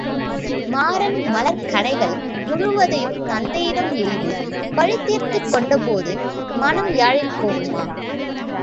மாரன் மலர்க்கணைகள் முழுவதையும் தத்தையிடம் எய்து பழிதீர்த்துக் கொண்டபோது, மனம் யாழில் போகுமா?